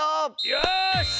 よし！